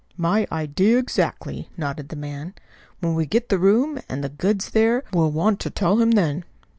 "My idea exactly," nodded the man. "When we get the room, and the goods there, we'll want to tell him then."